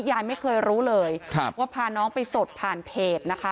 ยายไม่เคยรู้เลยว่าพาน้องไปสดผ่านเพจนะคะ